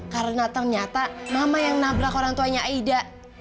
karena ternyata mama yang nabrak orang tuanya aida